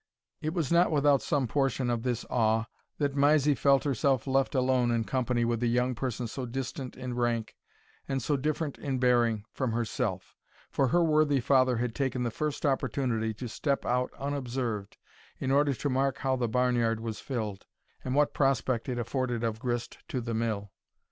It was not without some portion of this awe, that Mysie felt herself left alone in company with a young person so distant in rank, and so different in bearing, from herself; for her worthy father had taken the first opportunity to step out unobserved, in order to mark how the barnyard was filled, and what prospect it afforded of grist to the mill.